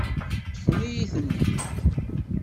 Ṭṭfen-iyi-tent-id.